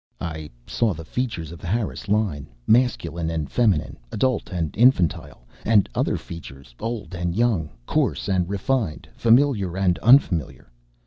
I saw the features of the Harris line, masculine and feminine, adult and infantile, and other features old and young, coarse and refined, familiar and unfamiliar.